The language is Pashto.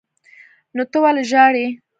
نو ته ولې ژاړې.